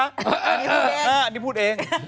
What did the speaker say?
อันนี้พูดเองอันนี้พูดเอง